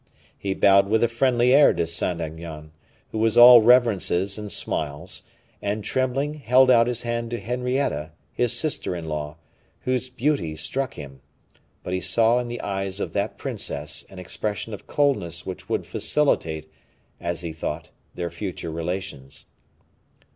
He bowed with a friendly air to Saint Aignan, who was all reverences and smiles, and trembling held out his hand to Henrietta, his sister in law, whose beauty struck him; but he saw in the eyes of that princess an expression of coldness which would facilitate, as he thought, their future relations.